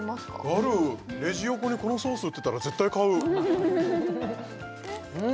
あるレジ横にこのソース売ってたら絶対買うフフフフフ